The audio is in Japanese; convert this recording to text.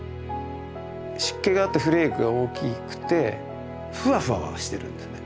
湿気があってフレークが大きくてフワフワしてるんですね。